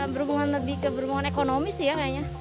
berhubungan lebih ke berhubungan ekonomi sih ya kayaknya